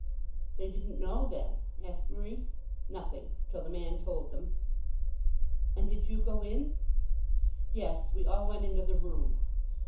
"They didn't know, then?" asked Marie. "Nothing, till the man told them." "And did you go in?" "Yes; we all went into the room."